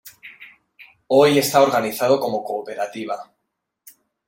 Hoy está organizado como cooperativa.